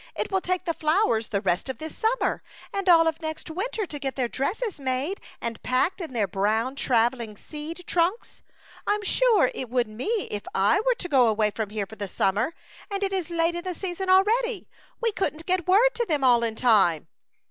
It will take the flow ers the rest of this summer and all of next winter to get their dresses made and packed in their brown travelling seed trunks. Fm sure it would me if I were to go away from here for the summer, and it is late in the season already. We couldn't get word to them all in time."